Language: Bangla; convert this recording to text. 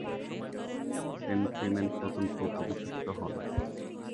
সেন্ট ক্লিমেন্ট নতুন পোপ অভিষিক্ত হন।